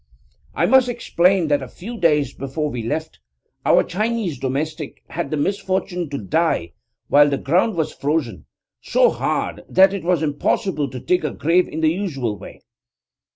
I must explain that a few days before we left, our Chinese domestic had the misfortune to die while the ground was frozen so hard that it was impossible to dig a grave in the usual way.